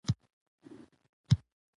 هر چارواکی د قانون تابع دی